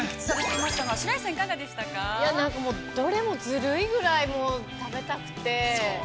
◆いやなんか、もう、どれも、ずるいぐらい食べたくて。